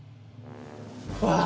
わあ！